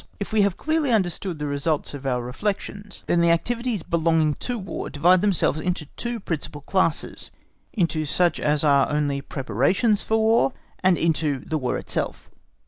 If we have clearly understood the results of our reflections, then the activities belonging to War divide themselves into two principal classes, into such as are only "preparations for War" and into the "_War itself.